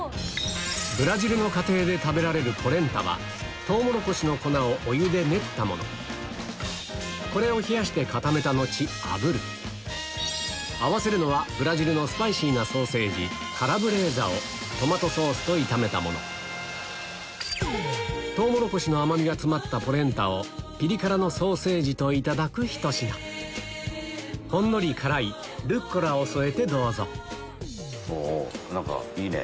ブラジルの家庭で食べられるこれを冷やして固めた後あぶる合わせるのはブラジルのスパイシーなソーセージをトマトソースと炒めたものトウモロコシの甘みが詰まったポレンタをピリ辛のソーセージといただくひと品ほんのり辛いルッコラを添えてどうぞお何かいいね。